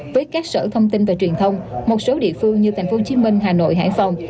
với các sở thông tin và truyền thông một số địa phương như tp hcm hà nội hải phòng